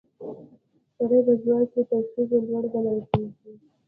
سړي په ځواک کې تر ښځو لوړ ګڼل کیږي